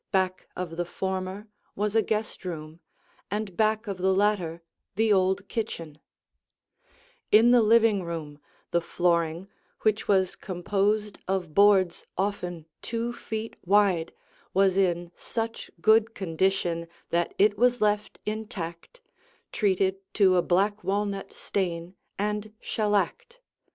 Back of the former was a guest room, and back of the latter the old kitchen. [Illustration: Two Views of the Living Room] In the living room, the flooring, which was composed of boards often two feet wide, was in such good condition that it was left intact, treated to a black walnut stain, and shellacked.